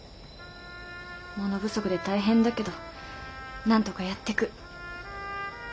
物不足で大変だけどなんとかやってく。